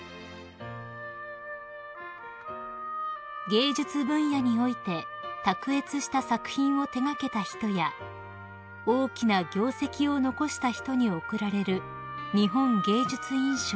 ［芸術分野において卓越した作品を手掛けた人や大きな業績を残した人に贈られる日本芸術院賞］